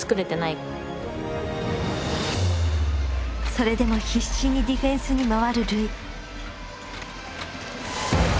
それでも必死にディフェンスに回る瑠唯。